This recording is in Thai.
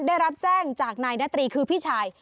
ได้รับแจ้งจากนายนาตรีคือพี่ชาย